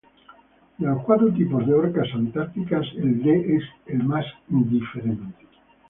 De los cuatro tipos de orcas antárticas, el D es el más diferente.